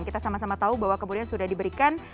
kita sama sama tahu bahwa kemudian sudah diberikan